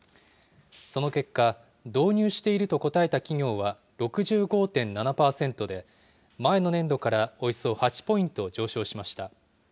その結果、導入していると答えた企業は６５．７％で、前の年度からおよそ８ポイント上昇しました。